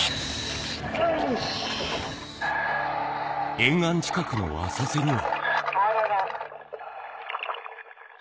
沿岸近くの浅瀬には。